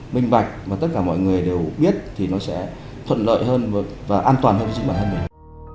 minh bạch và tất cả mọi người đều biết thì nó sẽ thuận lợi hơn và an toàn hơn với chính bản thân mình